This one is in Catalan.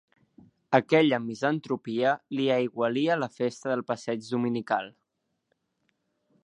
Aquella misantropia li aigualia la festa del passeig dominical.